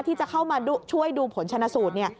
ที่จะเข้ามาช่วยดูผลชนะสูตรเนี่ย